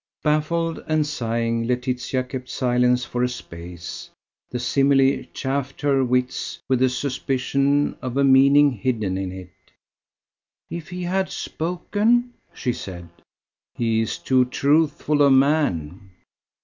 Baffled and sighing, Laetitia kept silence for a space. The simile chafed her wits with a suspicion of a meaning hidden in it. "If he had spoken?" she said. "He is too truthful a man."